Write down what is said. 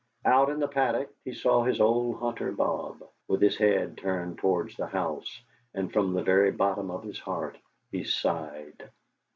Out in the paddock he saw his old hunter Bob, with his head turned towards the house; and from the very bottom of his heart he sighed.